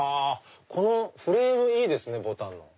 このフレームいいですねボタン。